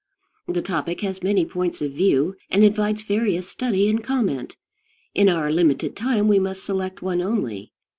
The topic has many points of view, and invites various study and comment. In our limited time we must select one only.